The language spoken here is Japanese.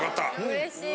うれしい。